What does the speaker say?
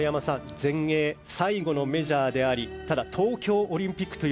全英最後のメジャーでありただ、東京オリンピックという